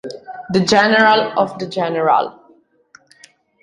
The general of the general